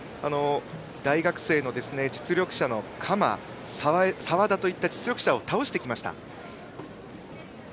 大学生の実力者釜、澤田といった実力者を倒してきました。